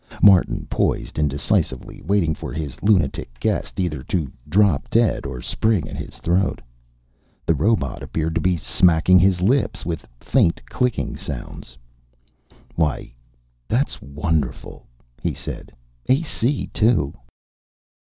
Martin poised indecisively, waiting for his lunatic guest either to drop dead or spring at his throat. The robot appeared to be smacking his lips, with faint clicking sounds. "Why, that's wonderful," he said. "AC, too."